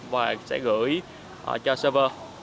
và sẽ gửi cho server